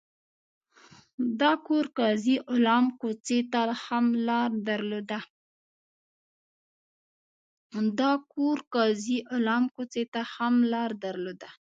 دا کور قاضي غلام کوڅې ته هم لار درلوده.